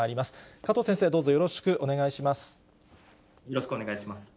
加藤先生、どうぞよろしくお願いよろしくお願いします。